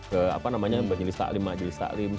ke apa namanya mbak jelis taklim pak jelis taklim